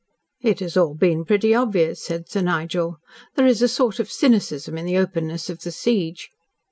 "It has all been pretty obvious," said Sir Nigel. "There is a sort of cynicism in the openness of the siege.